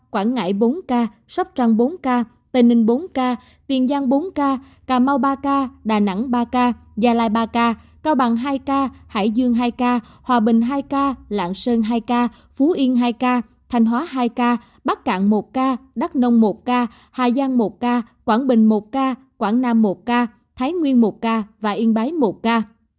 quảng ngãi bốn ca sóc trăng bốn ca tây ninh bốn ca tiền giang bốn ca cà mau ba ca đà nẵng ba ca gia lai ba ca cao bằng hai ca hải dương hai ca hòa bình hai ca lạng sơn hai ca phú yên hai ca thành hóa hai ca bắc cạn một ca đắk nông một ca hà giang một ca quảng bình một ca quảng nam một ca thái nguyên một ca yên bái một ca